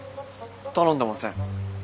頼んでません。